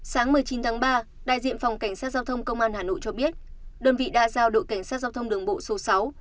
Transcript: sáng một mươi chín tháng ba đại diện phòng cảnh sát giao thông công an hà nội cho biết đơn vị đã giao đội cảnh sát giao thông đường bộ số sáu